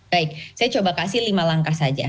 baik saya coba kasih lima langkah saja